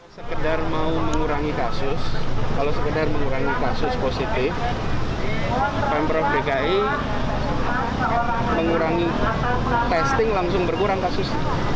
sekedar mau mengurangi kasus kalau sekedar mengurangi kasus positif pemprov dki mengurangi testing langsung berkurang kasus